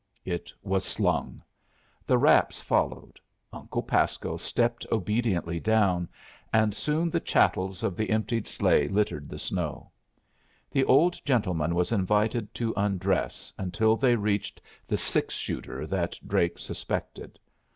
It was slung. The wraps followed. Uncle Pasco stepped obediently down, and soon the chattels of the emptied sleigh littered the snow. The old gentleman was invited to undress until they reached the six shooter that Drake suspected.